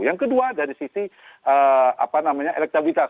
yang kedua dari sisi elektabilitas